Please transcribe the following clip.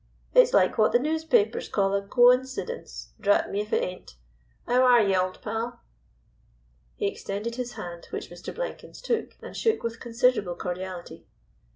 It's like what the noospapers call a go insidence, drat me if it ain't. 'Ow are yer, old pal?" He extended his hand, which Mr. Blenkins took, and shook with considerable cordiality.